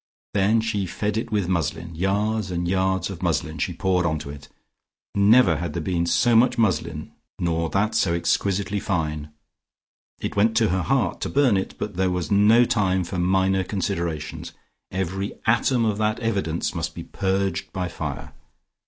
Then she fed it with muslin; yards and yards of muslin she poured on to it; never had there been so much muslin nor that so exquisitely fine. It went to her heart to burn it, but there was no time for minor considerations; every atom of that evidence must be purged by fire.